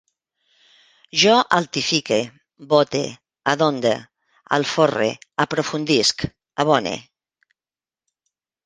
Jo altifique, bote, adonde, alforre, aprofundisc, abone